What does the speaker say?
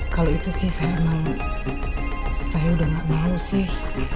kalau itu sih saya emang saya udah gak mau sih